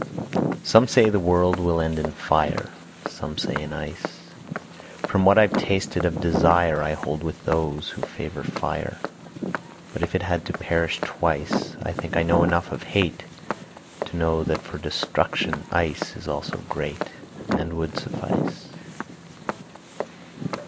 SOME say the world will end in fire, Some say in ice. From what I've tasted of desireI hold with those who favor fire. But if it had to perish twice,I think I know enough of hateTo know that for destruction iceIs also greatAnd would suffice.